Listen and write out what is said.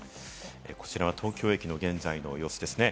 こちらは東京駅の現在の様子ですね。